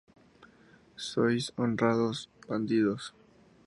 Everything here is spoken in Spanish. Sois hOnrados Bandidos".